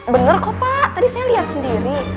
bener kok pak tadi saya liat sendiri